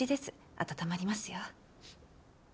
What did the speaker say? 温まりますよ。